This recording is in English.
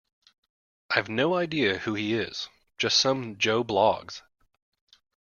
I've no idea who he is: just some Joe Bloggs